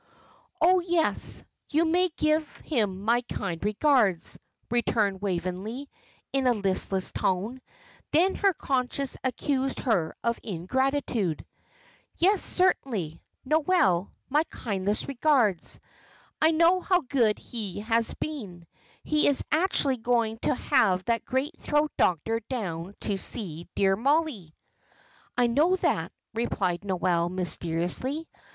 "Oh, yes, you may give him my kind regards," returned Waveney, in a listless tone. Then her conscience accused her of ingratitude. "Yes, certainly, Noel, my kindest regards. I know how good he has been; he is actually going to have that great throat doctor down to see dear Mollie." "I know that," replied Noel, mysteriously.